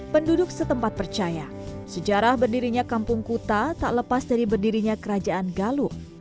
penduduk setempat percaya sejarah berdirinya kampung kuta tak lepas dari berdirinya kerajaan galuh